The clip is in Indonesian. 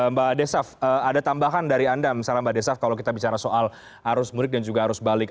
mbak desaf ada tambahan dari anda misalnya mbak desaf kalau kita bicara soal arus mudik dan juga arus balik